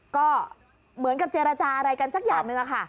ก็เหมือนกับเจรจาอะไรกันสักอย่างหนึ่งค่ะ